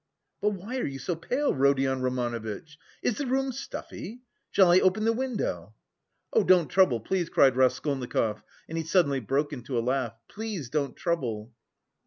But why are you so pale, Rodion Romanovitch? Is the room stuffy? Shall I open the window?" "Oh, don't trouble, please," cried Raskolnikov and he suddenly broke into a laugh. "Please don't trouble."